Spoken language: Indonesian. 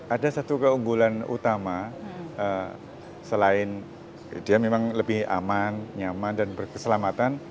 ada satu keunggulan utama selain dia memang lebih aman nyaman dan berkeselamatan